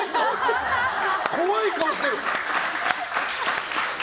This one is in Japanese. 怖い顔してる！